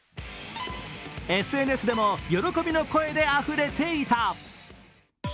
ＳＮＳでも喜びの声であふれていた。